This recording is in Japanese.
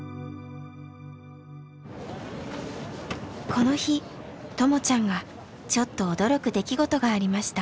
この日ともちゃんがちょっと驚く出来事がありました。